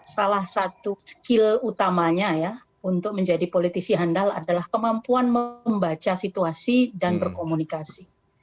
salah satu skill utamanya ya untuk menjadi politisi handal adalah kemampuan membaca situasi dan berkomunikasi